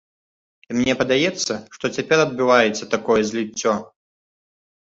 І мне падаецца, што цяпер адбываецца такое зліццё.